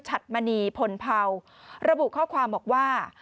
มณีพลเผาระบุข้อความบอกว่า